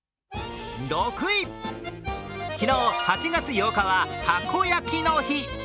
昨日、８月８日はたこ焼きの日。